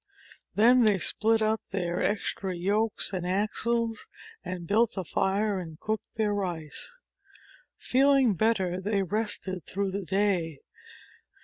Then they split up their extra yokes and axles, and built a fire, and cooked their rice. Feeling better, they rested through the day.